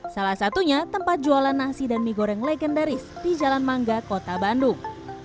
salah satunya tempat jualan nasi dan mie goreng legendaris di jalan mangga kota bandung